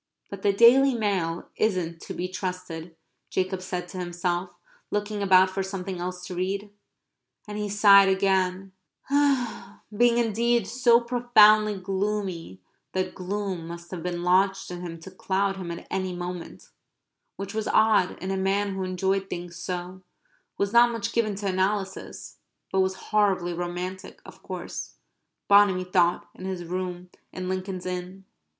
"But the Daily Mail isn't to be trusted," Jacob said to himself, looking about for something else to read. And he sighed again, being indeed so profoundly gloomy that gloom must have been lodged in him to cloud him at any moment, which was odd in a man who enjoyed things so, was not much given to analysis, but was horribly romantic, of course, Bonamy thought, in his rooms in Lincoln's Inn.